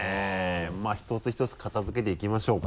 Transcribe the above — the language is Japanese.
まぁひとつひとつ片付けていきましょうか。